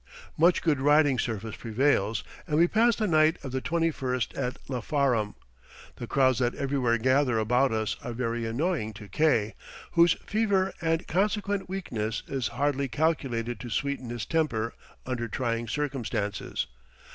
Much good riding surface prevails, and we pass the night of the 21st at Lafaram. The crowds that everywhere gather about us are very annoying to K , whose fever and consequent weakness is hardly calculated to sweeten his temper under trying circumstances.